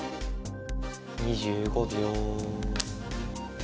２５秒。